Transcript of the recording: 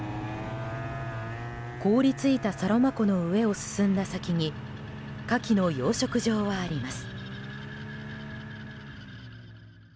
凍り付いたサロマ湖の上を進んだ先にカキの養殖場はあります。